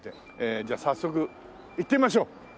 じゃあ早速行ってみましょう。